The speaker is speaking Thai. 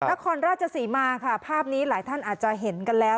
นครราชศรีมาค่ะภาพนี้หลายท่านอาจจะเห็นกันแล้ว